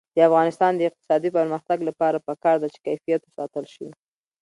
د افغانستان د اقتصادي پرمختګ لپاره پکار ده چې کیفیت وساتل شي.